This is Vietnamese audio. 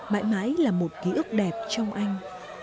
mãi mãi là một ký ức đẹp trong anh